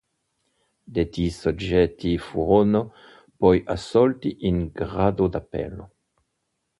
Detti soggetti furono poi assolti in grado d'appello.